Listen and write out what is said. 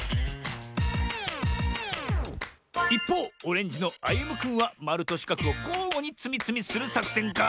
いっぽうオレンジのあゆむくんはまるとしかくをこうごにつみつみするさくせんか？